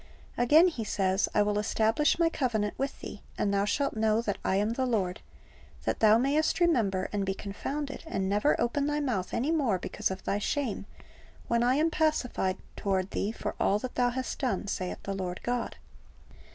^ Again He says, "I will establish My covenant with thee, and thou shalt know that I am the Lord; that thou mayest remember, and be confounded, and never open thy mouth any more because of thy shame, when I am pacified toward thee for all that thou hast done, saith the Lord God.""